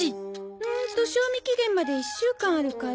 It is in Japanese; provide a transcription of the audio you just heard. うんと賞味期限まで１週間あるから。